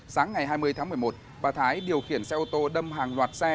sáng ngày hai mươi tháng một mươi một bà thái điều khiển xe ô tô đâm hàng loạt xe